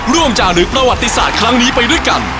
จารึกประวัติศาสตร์ครั้งนี้ไปด้วยกัน